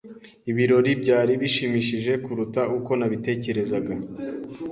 Ibirori byari bishimishije kuruta uko nabitekerezaga.